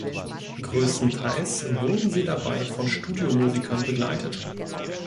Größtenteils wurden sie dabei von Studiomusikern begleitet.